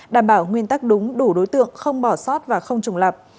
đảm bảo nguyên tắc đúng đủ đối tượng không bỏ sót và không trùng lập